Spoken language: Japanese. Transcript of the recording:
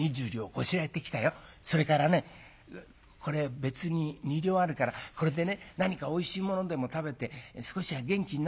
それからねこれ別に２両あるからこれでね何かおいしいものでも食べて少しは元気になっておくれよ。